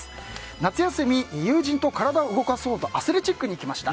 夏休み、友人と体を動かそうとアスレチックに行きました。